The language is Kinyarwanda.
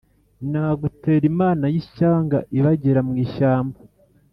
Nagutera Imana y'ishyanga ibagira mu ishyamba-